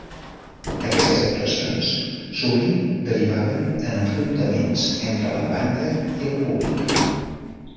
Aquestes actuacions sovint derivaven en enfrontaments entre la banda i el públic.